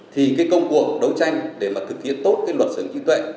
thì cái công cuộc đấu tranh để thực hiện tốt cái luật sử dụng kỹ thuệ